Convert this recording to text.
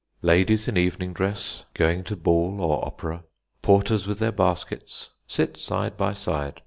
Ladies in evening dress, going to ball or opera, porters with their baskets, sit side by side.